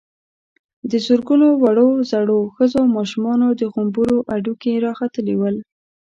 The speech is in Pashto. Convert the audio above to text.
د زرګونو وړو_ زړو، ښځو او ماشومانو د غومبرو هډوکي را ختلي ول.